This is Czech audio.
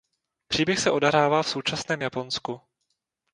Příběh se odehrává v současném Japonsku.